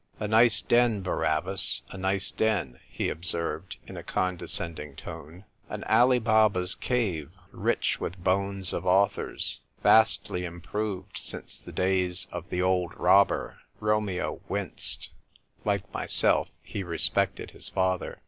"A nice den, Barabbas, a nice den !" he observed, in a condescending tone; "an Ali Baba's cave, rich with bones of authors; vastly improved since the days of the old robber !" Romeo winced. Like myself, he respected his father.